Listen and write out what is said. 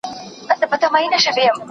ماشینونه لا ښه کېږي.